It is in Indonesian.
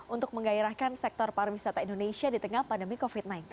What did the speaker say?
untuk menggairahkan sektor pariwisata indonesia di tengah pandemi covid sembilan belas